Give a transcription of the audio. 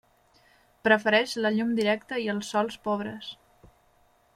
Prefereix la llum directa i els sòls pobres.